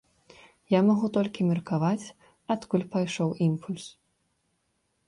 Я магу толькі меркаваць, адкуль пайшоў імпульс.